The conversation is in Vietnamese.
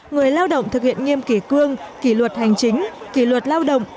người lao động thực hiện nghiêm kỷ cương kỷ luật hành chính kỷ luật lao động